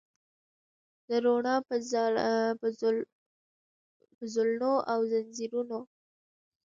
د روڼا په زولنو او ځنځیرونو